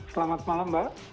selamat malam mbak